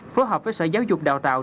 phối hợp với sở giáo dục đào tạo